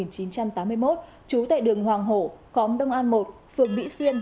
trong năm một nghìn chín trăm tám mươi một trú tại đường hoàng hổ khóm đông an một phường vĩ xuyên